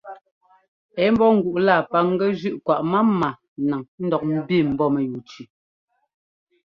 Ɛ́ ḿbɔ́ ŋguꞌ laa paŋgɛ́ zʉ́ꞌ kwaꞌ mámá naŋ ńdɔk ḿbi mbɔ́ mɛyúu tsʉʉ.